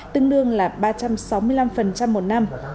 tương đương là ba trăm sáu mươi năm một năm